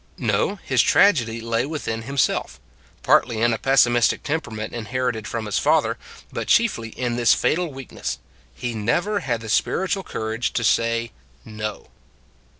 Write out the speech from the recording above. No, his tragedy lay within himself partly in a pessimistic temperament in herited from his father, but chiefly in this fatal weakness : he never had the spiritual courage to say "No!"